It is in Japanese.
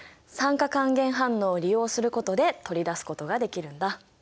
酸化還元反応を利用することで取り出すことができるんだ。